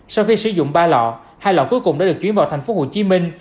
sau khi sử dụng ba lọ hai lọ cuối cùng đã được chuyển vào thành phố hồ chí minh